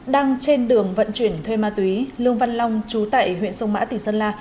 đang trên đường vận chuyển thuê ma túy lương văn long chú tại huyện sông mã tỉnh sơn la